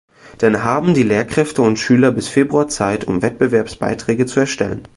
Dann haben die Lehrkräfte und Schüler bis Februar Zeit, um Wettbewerbsbeiträge zu erstellen.